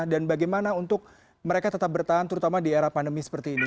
dan bagaimana untuk mereka tetap bertahan terutama di era pandemi seperti ini